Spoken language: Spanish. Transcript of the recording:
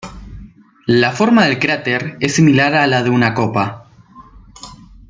La forma del cráter es similar a la de una copa.